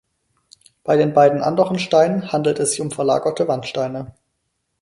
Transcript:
Bei den beiden anderen Steinen handelt es sich um verlagerte Wandsteine.